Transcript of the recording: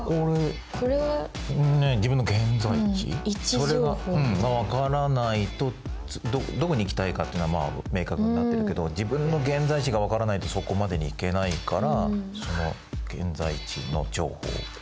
それが分からないとどこに行きたいかっていうのは明確になってるけど自分の現在地が分からないとそこまでに行けないから現在地の情報。